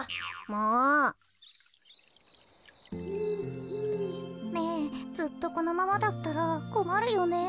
もう。ねえずっとこのままだったらこまるよね。